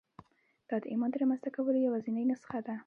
دا د ایمان د رامنځته کولو یوازېنۍ نسخه ده